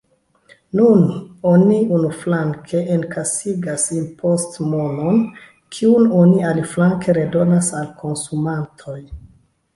Nun oni unuflanke enkasigas impostmonon, kiun oni aliflanke redonas al konsumantoj.